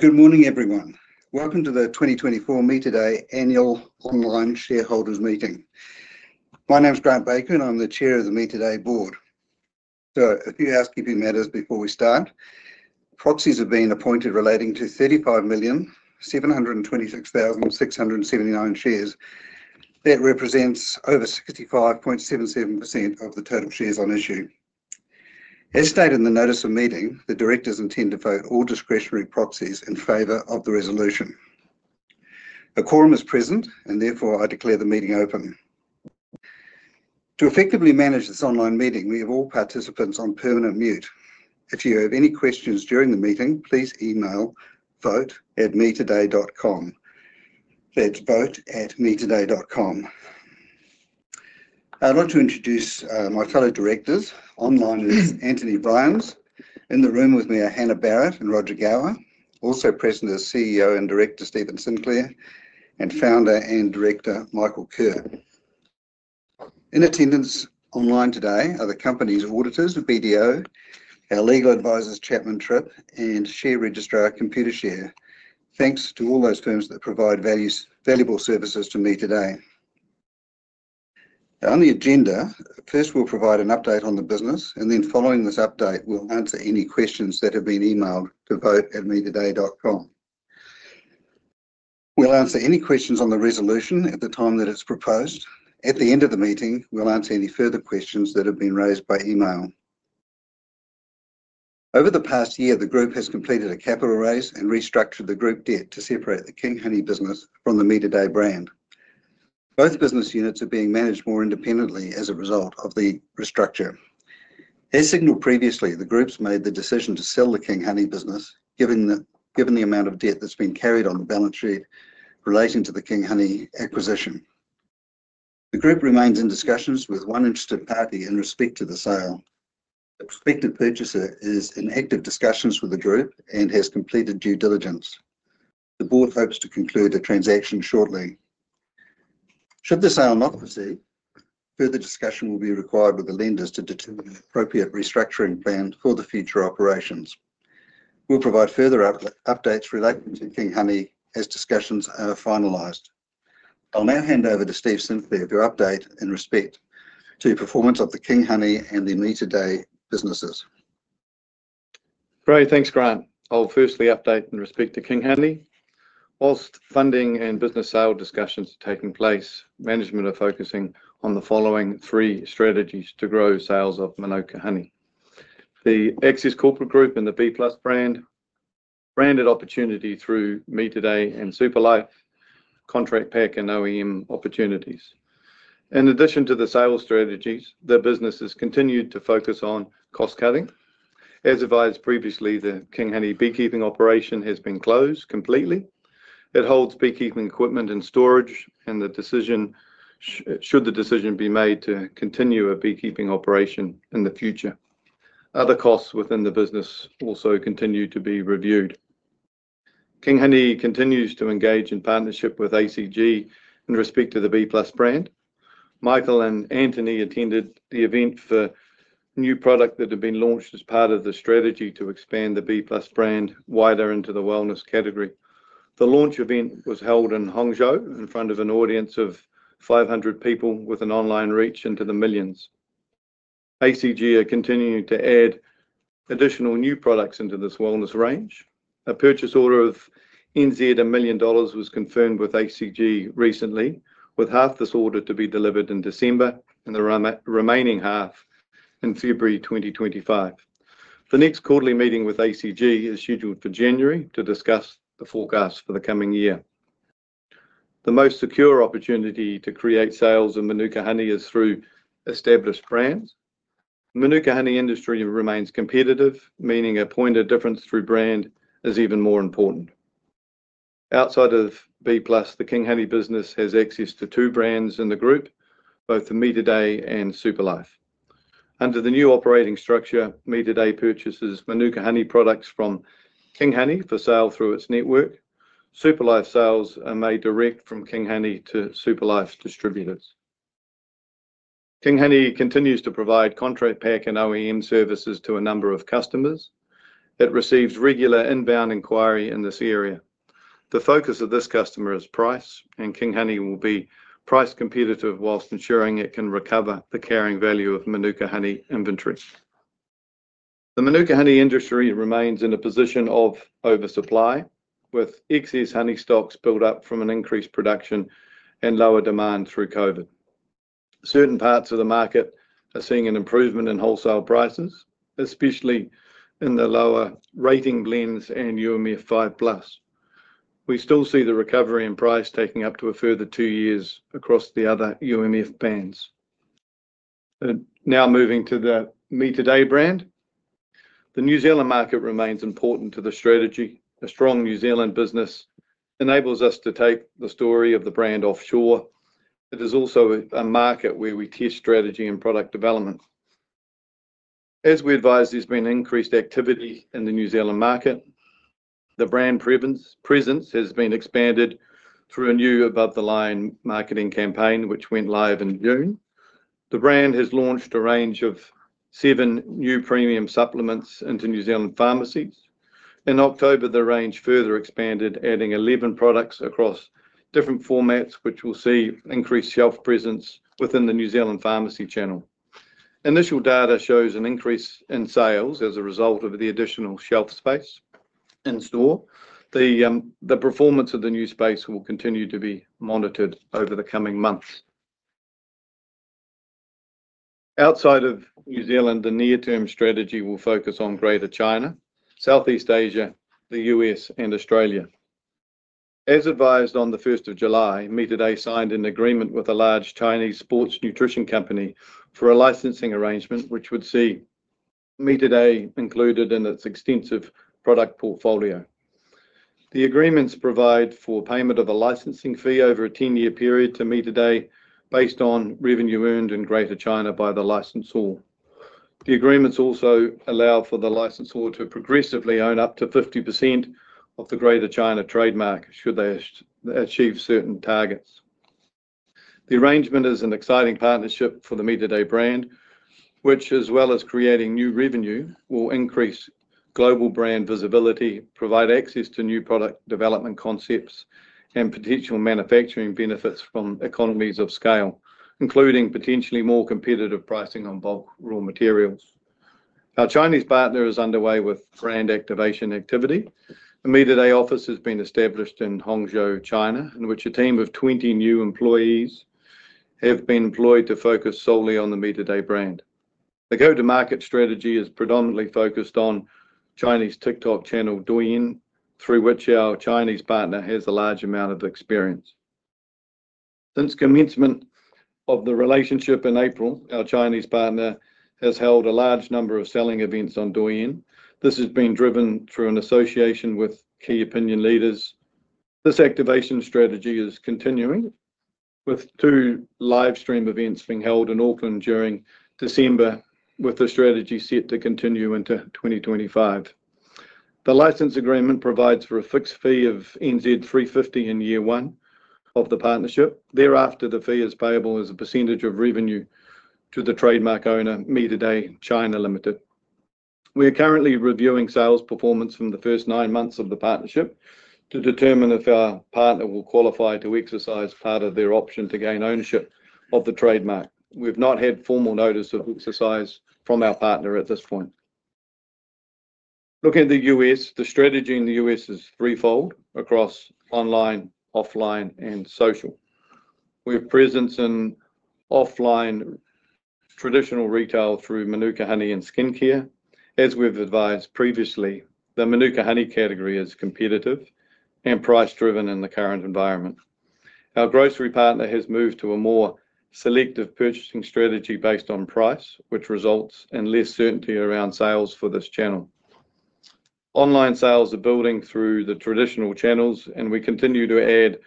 Good morning, everyone. Welcome to the 2024 Me Today annual online shareholders meeting. My name's Grant Baker, and I'm the Chair of the Me Today board. So, a few housekeeping matters before we start. Proxies have been appointed relating to 35,726,679 shares. That represents over 65.77% of the total shares on issue. As stated in the notice of meeting, the directors intend to vote all discretionary proxies in favor of the resolution. The quorum is present, and therefore I declare the meeting open. To effectively manage this online meeting, we have all participants on permanent mute. If you have any questions during the meeting, please email vote@metoday.com. That's vote@metoday.com. I'd like to introduce my fellow directors. Online is Antony Vriens. In the room with me are Hannah Barrett and Roger Gower, also present are CEO and Director Stephen Sinclair, and Founder and Director Michael Kerr. In attendance online today are the company's auditors, BDO, our legal advisors, Chapman Tripp, and share registrar, Computershare. Thanks to all those firms that provide valuable services to Me Today. On the agenda, first we'll provide an update on the business, and then following this update, we'll answer any questions that have been emailed to vote@metoday.com. We'll answer any questions on the resolution at the time that it's proposed. At the end of the meeting, we'll answer any further questions that have been raised by email. Over the past year, the group has completed a capital raise and restructured the group debt to separate the King Honey business from the Me Today brand. Both business units are being managed more independently as a result of the restructure. As signaled previously, the group's made the decision to sell the King Honey business, given the amount of debt that's been carried on the balance sheet relating to the King Honey acquisition. The group remains in discussions with one interested party in respect to the sale. The prospective purchaser is in active discussions with the group and has completed due diligence. The board hopes to conclude the transaction shortly. Should the sale not proceed, further discussion will be required with the lenders to determine an appropriate restructuring plan for the future operations. We'll provide further updates relating to King Honey as discussions are finalized. I'll now hand over to Steve Sinclair for your update in respect to performance of the King Honey and the Me Today businesses. Great. Thanks, Grant. I'll firstly update in respect to King Honey. Whilst funding and business sale discussions are taking place, management are focusing on the following three strategies to grow sales of Manuka Honey: the Access Corporate Group and the Bee+ brand, branded opportunity through Me Today and SuperLife, contract pack and OEM opportunities. In addition to the sales strategies, the business has continued to focus on cost cutting. As advised previously, the King Honey beekeeping operation has been closed completely. It holds beekeeping equipment and storage, and the decision be made to continue a beekeeping operation in the future. Other costs within the business also continue to be reviewed. King Honey continues to engage in partnership with ACG in respect to the Bee+ brand. Michael and Antony attended the event for a new product that had been launched as part of the strategy to expand the Bee+ brand wider into the wellness category. The launch event was held in Hangzhou in front of an audience of 500 people with an online reach into the millions. ACG are continuing to add additional new products into this wellness range. A purchase order of 1 million dollars was confirmed with ACG recently, with half this order to be delivered in December and the remaining half in February 2025. The next quarterly meeting with ACG is scheduled for January to discuss the forecast for the coming year. The most secure opportunity to create sales in Manuka Honey is through established brands. The Manuka Honey industry remains competitive, meaning a point of difference through brand is even more important. Outside of Bee+, the King Honey business has access to two brands in the group, both Me Today and SuperLife. Under the new operating structure, Me Today purchases Manuka Honey products from King Honey for sale through its network. SuperLife sales are made direct from King Honey to SuperLife distributors. King Honey continues to provide contract pack and OEM services to a number of customers. It receives regular inbound inquiry in this area. The focus of this customer is price, and King Honey will be price competitive whilst ensuring it can recover the carrying value of Manuka Honey inventory. The Manuka Honey industry remains in a position of oversupply, with excess honey stocks built up from an increased production and lower demand through COVID. Certain parts of the market are seeing an improvement in wholesale prices, especially in the lower rating blends and UMF 5+. We still see the recovery in price taking up to a further two years across the other UMF bands. Now moving to the Me Today brand, the New Zealand market remains important to the strategy. A strong New Zealand business enables us to take the story of the brand offshore. It is also a market where we test strategy and product development. As we advise, there's been increased activity in the New Zealand market. The brand presence has been expanded through a new above-the-line marketing campaign, which went live in June. The brand has launched a range of seven new premium supplements into New Zealand pharmacies. In October, the range further expanded, adding 11 products across different formats, which will see increased shelf presence within the New Zealand pharmacy channel. Initial data shows an increase in sales as a result of the additional shelf space in store. The performance of the new space will continue to be monitored over the coming months. Outside of New Zealand, the near-term strategy will focus on Greater China, Southeast Asia, the US, and Australia. As advised on the 1st of July, Me Today signed an agreement with a large Chinese sports nutrition company for a licensing arrangement, which would see Me Today included in its extensive product portfolio. The agreements provide for payment of a licensing fee over a 10-year period to Me Today based on revenue earned in Greater China by the licensor. The agreements also allow for the licensor to progressively own up to 50% of the Greater China trademark should they achieve certain targets. The arrangement is an exciting partnership for the Me Today brand, which, as well as creating new revenue, will increase global brand visibility, provide access to new product development concepts, and potential manufacturing benefits from economies of scale, including potentially more competitive pricing on bulk raw materials. Our Chinese partner is underway with brand activation activity. A Me Today office has been established in Hangzhou, China, in which a team of 20 new employees have been employed to focus solely on the Me Today brand. The go-to-market strategy is predominantly focused on Chinese TikTok channel Douyin, through which our Chinese partner has a large amount of experience. Since commencement of the relationship in April, our Chinese partner has held a large number of selling events on Douyin. This has been driven through an association with key opinion leaders. This activation strategy is continuing, with two live stream events being held in Auckland during December, with the strategy set to continue into 2025. The license agreement provides for a fixed fee of NZ$350 in year one of the partnership. Thereafter, the fee is payable as a percentage of revenue to the trademark owner, Me Today China Limited. We are currently reviewing sales performance from the first nine months of the partnership to determine if our partner will qualify to exercise part of their option to gain ownership of the trademark. We've not had formal notice of exercise from our partner at this point. Looking at the U.S., the strategy in the U.S. is threefold across online, offline, and social. We have presence in offline traditional retail through Manuka Honey and skincare. As we've advised previously, the Manuka Honey category is competitive and price-driven in the current environment. Our grocery partner has moved to a more selective purchasing strategy based on price, which results in less certainty around sales for this channel. Online sales are building through the traditional channels, and we continue to add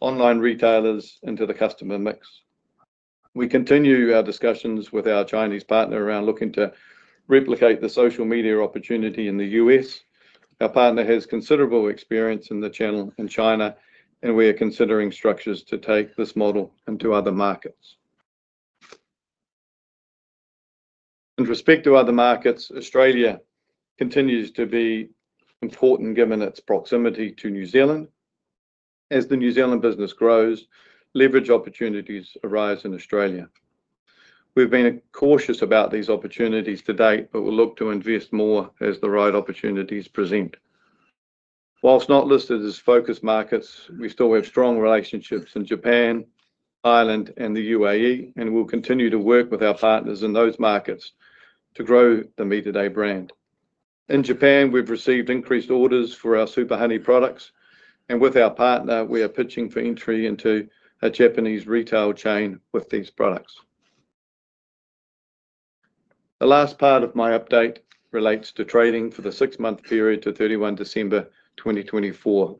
online retailers into the customer mix. We continue our discussions with our Chinese partner around looking to replicate the social media opportunity in the US. Our partner has considerable experience in the channel in China, and we are considering structures to take this model into other markets. In respect to other markets, Australia continues to be important given its proximity to New Zealand. As the New Zealand business grows, leverage opportunities arise in Australia. We've been cautious about these opportunities to date, but we'll look to invest more as the right opportunities present. While not listed as focus markets, we still have strong relationships in Japan, Ireland, and the UAE, and we'll continue to work with our partners in those markets to grow the Me Today brand. In Japan, we've received increased orders for our Super Honey products, and with our partner, we are pitching for entry into a Japanese retail chain with these products. The last part of my update relates to trading for the six-month period to 31 December 2024.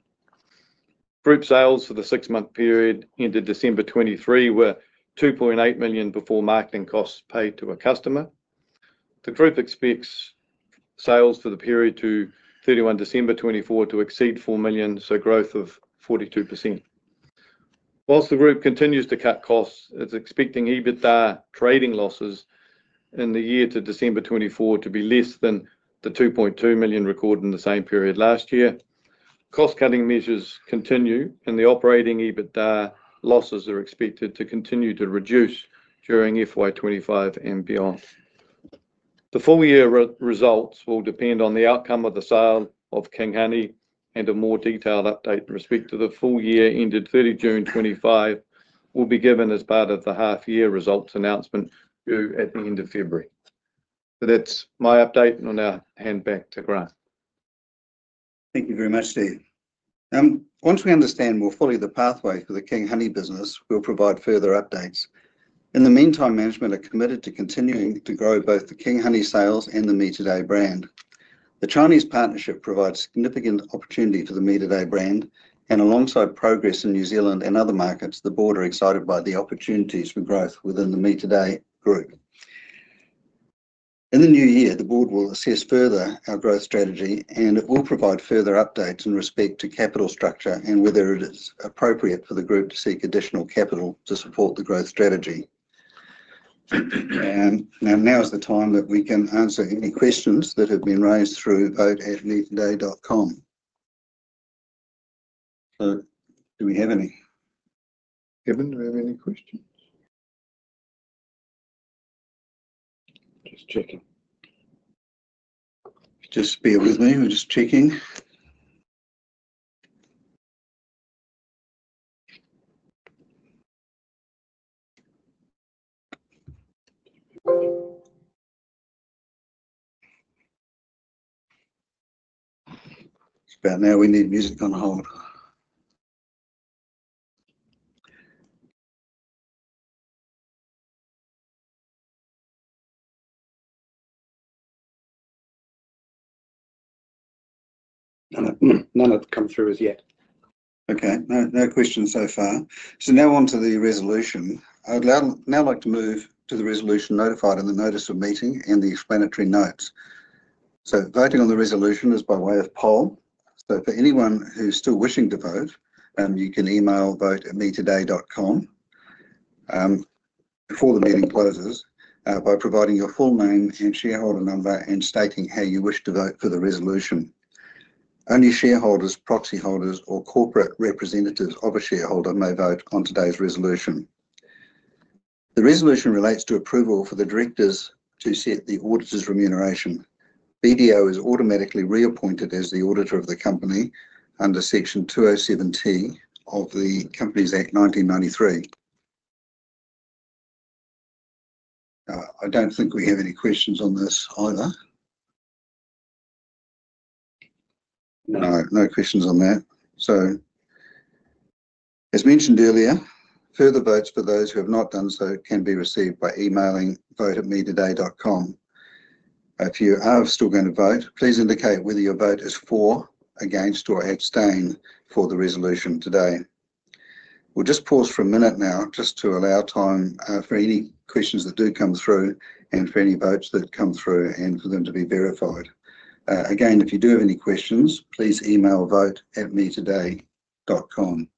Group sales for the six-month period ended December 2023 were 2.8 million before marketing costs paid to a customer. The group expects sales for the period to 31 December 2024 to exceed 4 million, so growth of 42%. While the group continues to cut costs, it's expecting EBITDA trading losses in the year to December 2024 to be less than the 2.2 million recorded in the same period last year. Cost-cutting measures continue, and the operating EBITDA losses are expected to continue to reduce during FY25 and beyond. The full-year results will depend on the outcome of the sale of King Honey and a more detailed update in respect to the full year ended 30 June 2025 will be given as part of the half-year results announcement due at the end of February. That's my update, and I'll now hand back to Grant. Thank you very much, Steve. Once we understand more fully the pathway for the King Honey business, we'll provide further updates. In the meantime, management are committed to continuing to grow both the King Honey sales and the Me Today brand. The Chinese partnership provides significant opportunity for the Me Today brand, and alongside progress in New Zealand and other markets, the board are excited by the opportunities for growth within the Me Today group. In the new year, the board will assess further our growth strategy, and it will provide further updates in respect to capital structure and whether it is appropriate for the group to seek additional capital to support the growth strategy. Now is the time that we can answer any questions that have been raised through vote@metoday.com. Do we have any? [Kevin], do we have any questions? Just checking. Just bear with me. We're just checking. It's about now we need music on hold. None have come through as yet. Okay. No questions so far. So now on to the resolution. I'd now like to move to the resolution notified in the notice of meeting and the explanatory notes. So voting on the resolution is by way of poll. So for anyone who's still wishing to vote, you can email vote@metoday.com before the meeting closes by providing your full name and shareholder number and stating how you wish to vote for the resolution. Only shareholders, proxy holders, or corporate representatives of a shareholder may vote on today's resolution. The resolution relates to approval for the directors to set the auditor's remuneration. BDO is automatically reappointed as the auditor of the company under Section 207(t) of the Companies Act 1993. I don't think we have any questions on this either. No questions on that. So as mentioned earlier, further votes for those who have not done so can be received by emailing vote@metoday.com. If you are still going to vote, please indicate whether your vote is for, against, or abstain for the resolution today. We'll just pause for a minute now just to allow time for any questions that do come through and for any votes that come through and for them to be verified. Again, if you do have any questions, please email vote@metoday.com.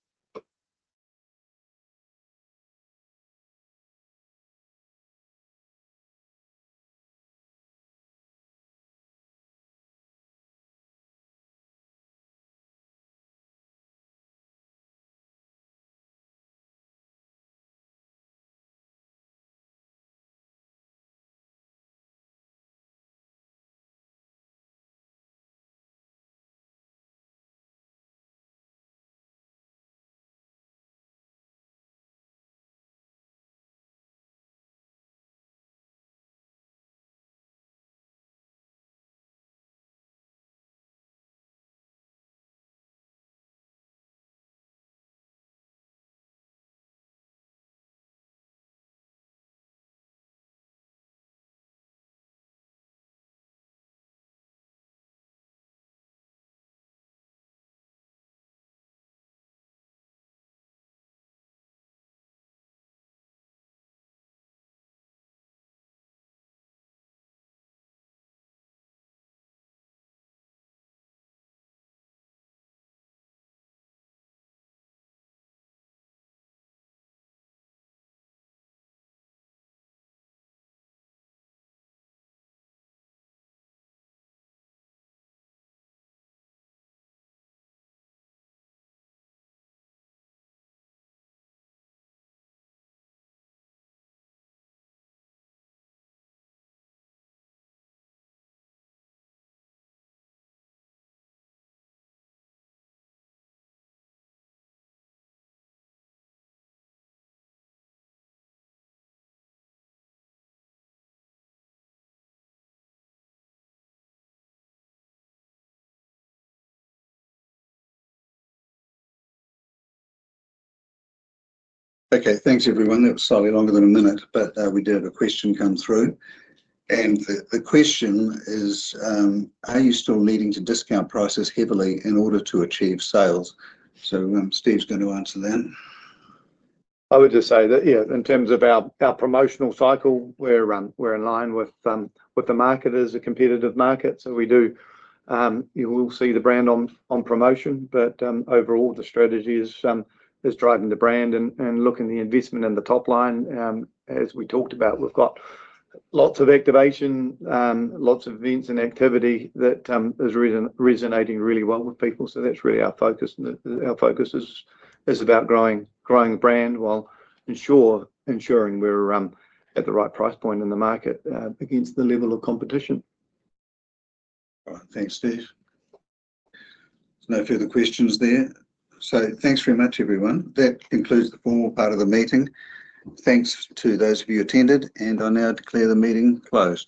Okay. Thanks, everyone. That was slightly longer than a minute, but we did have a question come through. And the question is, are you still needing to discount prices heavily in order to achieve sales? So Steve's going to answer that. I would just say that, yeah, in terms of our promotional cycle, we're in line with the market as a competitive market. So we do, you will see the brand on promotion, but overall, the strategy is driving the brand and looking at the investment in the top line. As we talked about, we've got lots of activation, lots of events and activity that is resonating really well with people. So that's really our focus. Our focus is about growing the brand while ensuring we're at the right price point in the market against the level of competition. All right. Thanks, Steve. No further questions there. So thanks very much, everyone. That concludes the formal part of the meeting. Thanks to those of you who attended, and I now declare the meeting closed.